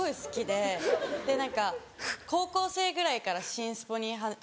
で何か高校生ぐらいから心スポにハマり。